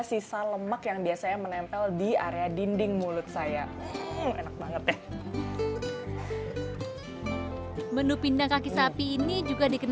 sisa lemak yang biasanya menempel di area dinding mulut saya enak banget ya menu pindang kaki sapi ini juga dikenal